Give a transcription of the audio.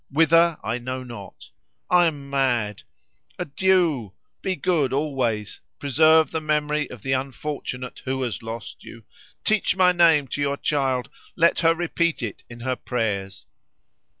Whither I know not. I am mad. Adieu! Be good always. Preserve the memory of the unfortunate who has lost you. Teach my name to your child; let her repeat it in her prayers."